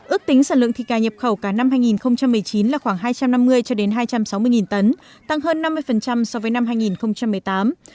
ước tính sản lượng thịt gà nhập khẩu cả năm hai nghìn một mươi chín là khoảng hai trăm năm mươi hai trăm sáu mươi tấn tăng hơn năm mươi so với năm hai nghìn một mươi tám